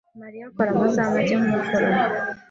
Mariya akora amasaha make nkumuforomo.